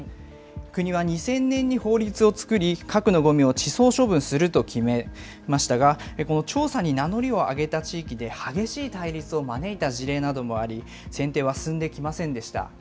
国は２０００年に法律を作り、核のごみを地層処分すると決めましたが、この調査に名乗りを上げた地域で、激しい対立を招いた事例などもあり、選定は進んできませんでした。